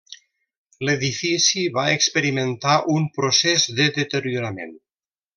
L'edifici va experimentar un procés de deteriorament.